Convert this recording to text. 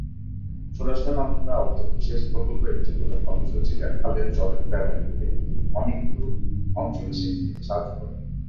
সৌরাষ্ট্র নর্মদা অবতরন সেচ প্রকল্প একটি প্রধান কর্মসূচী যা খালের জলের ব্যবহার করে অনেকগুলি অঞ্চলে সেচ দিতে সাহায্য করে।